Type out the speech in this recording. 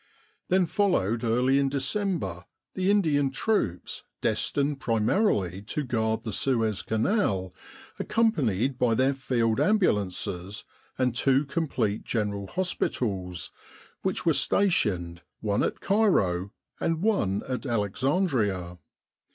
Then followed early in December the Indian troops destined primarily to guard the Suez Canal, accom panied by their field ambulances and two complete General Hospitals, which were stationed one at Cairo and one at Alexandria.